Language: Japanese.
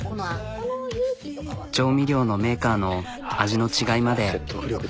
調味料のメーカーの味の違いまで。